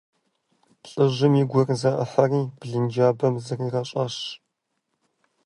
ЛӀыжьым и гур зэӀыхьэри, блынджабэм зригъэщӀащ.